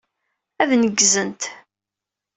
Ad neggzent.